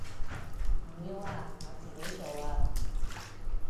唔要啊，我自己做啊